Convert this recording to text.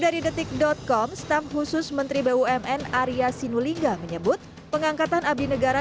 dari detik com staf khusus menteri bumn arya sinulinga menyebut pengangkatan abdi negara